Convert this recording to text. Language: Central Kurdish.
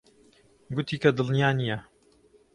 گوتی کە دڵنیا نییە.